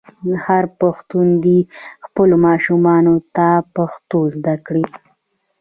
هر پښتون دې خپلو ماشومانو ته پښتو زده کړه.